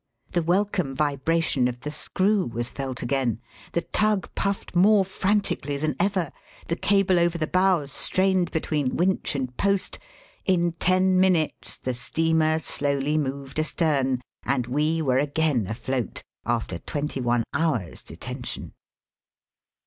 The welcome vibration of the screw was felt agaiu; the tug puffed more frantically than ever ; the cable over the bow strained between winch and post : in ten minutes the steamer slowly moved astern, and we were again afloat, after twenty one hours' detention.